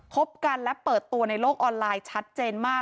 บกันและเปิดตัวในโลกออนไลน์ชัดเจนมาก